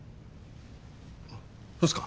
あっそうですか。